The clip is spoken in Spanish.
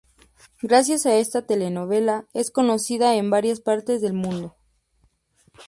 Gracias a esta telenovela es conocida en varias partes del mundo.